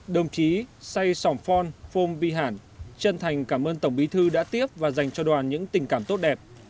đồng chí say sòng phon phong vi hẳn chân thành cảm ơn tổng bí thư đã tiếp và dành cho đoàn những tình cảm tốt đẹp